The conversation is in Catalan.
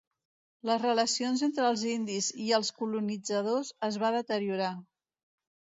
Les relacions entre els indis i els colonitzadors es va deteriorar.